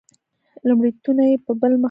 لومړیتونه یې په بل مخ اړولي.